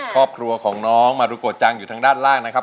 ครอบครัวของน้องมารุโกจังอยู่ทางด้านล่างนะครับ